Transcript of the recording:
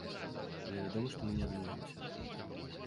Але вядома, што мы не адмовімся.